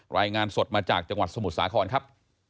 รายงานสดมาจากจังหวัดสมุทรสาครครับ